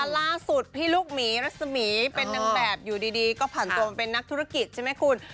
ล่าสุดพี่ลูกหมีรัศมีร์เป็นนางแบบอยู่ดีก็ผ่านตัวมาเป็นนักธุรกิจใช่ไหมคุณ